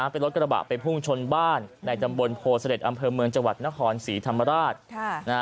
เป็นรถกระบะไปพุ่งชนบ้านในตำบลโพเสด็จอำเภอเมืองจังหวัดนครศรีธรรมราช